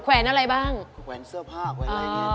เขวนอะไรบ้างก็เขวนเสื้อผ้าอะไรแบบนี้